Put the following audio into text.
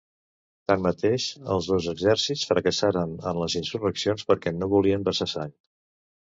Tanmateix, els dos exèrcits fracassaren en les insurreccions perquè no volien vessar sang.